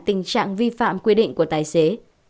tình trạng vi phạm quy định của tài xế